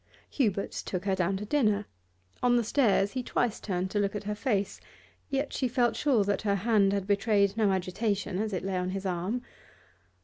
Hubert took her down to dinner; on the stairs he twice turned to look at her face, yet she felt sure that her hand had betrayed no agitation as it lay on his arm.